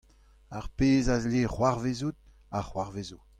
Ar pezh a zle c'hoarvezout a c'hoarvezo.